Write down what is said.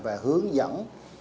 và hướng dẫn